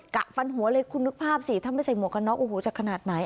กะฟันหัวเลยคุณนึกภาพสิถ้าไม่ใส่หมวกกันน็อกโอ้โหจะขนาดไหน